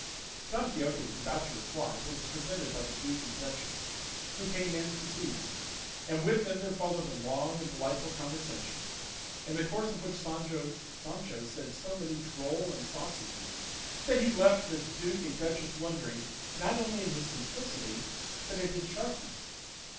Don Quixote was about to reply, but was prevented by the duke and duchess, who came in to see him, and with them there followed a long and delightful conversation, in the course of which Sancho said so many droll and saucy things that he left the duke and duchess wondering not only at his simplicity but at his sharpness.